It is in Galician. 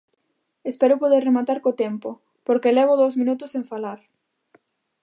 Espero poder rematar co tempo, porque levo dous minutos sen falar.